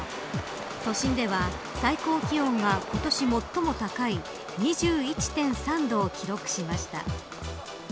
都心では最高気温が今年最も高い２１．３度を記録しました。